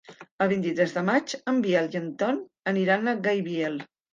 El vint-i-tres de maig en Biel i en Ton aniran a Gaibiel.